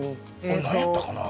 俺何やったかな？